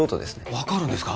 分かるんですか？